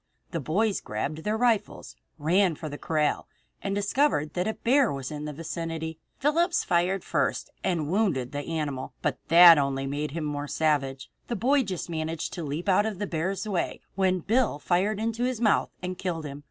The boys grabbed their rifles, ran to the corral, and discovered that a bear was in the vicinity. Phillips fired first and wounded the animal. But that only made him the more savage. The boy just managed to leap out of the bear's way when Bill fired into his mouth and killed him.